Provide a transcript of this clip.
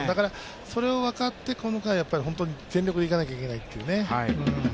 それを分かって、この回、全力でいかなきゃいけないというね。